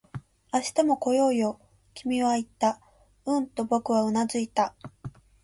「明日も来ようよ」、君は言った。うんと僕はうなずいた